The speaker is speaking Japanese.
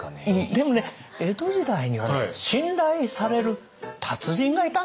でもね江戸時代にはね信頼される達人がいたんですよ。